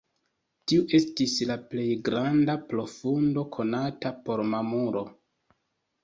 Tiu estis la plej granda profundo konata por mamulo.